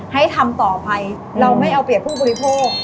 ให้ทำต่อไปเราไม่เอาเปรียบผู้บริโภค